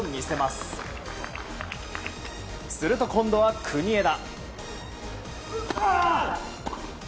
すると今度は国枝。